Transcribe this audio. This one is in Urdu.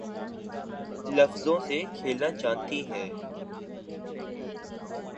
لفظوں سے کھیلنا جانتی ہے